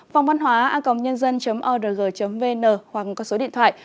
phongvănhóa org vn hoặc có số điện thoại hai mươi bốn